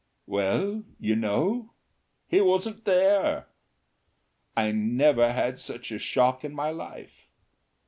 Well, you know, he wasn't there! I never had such a shock in my life.